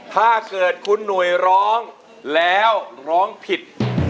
ถ้าเกิดคุณหนุ่ยร้องแล้วร้องผิด